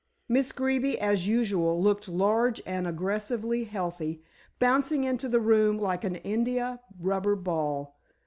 Miss Greeby, as usual, looked large and aggressively healthy, bouncing into the room like an india rubber ball.